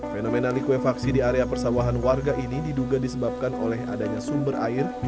fenomena likuifaksi di area persawahan warga ini diduga disebabkan oleh adanya sumber air di